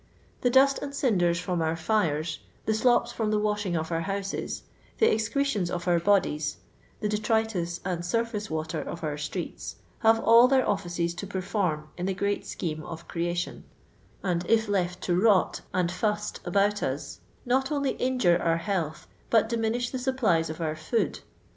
The dust and cinders from our fires, the "slops" from the washing of our houses, the excre tions of our bodies, the detritus and "surface water" of our streets, hare all their offices to perform in the great scheme of creation ; and if left to rot and fust about us not only injure our health, but diminish the supplies of our food.